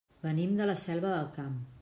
Venim de la Selva del Camp.